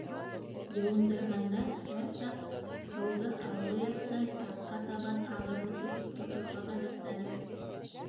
Йыуындырғанда һәр саҡ һыуҙы алғы яҡтан артҡа табан ағырлыҡ итеп тоторға ғәҙәтләнегеҙ.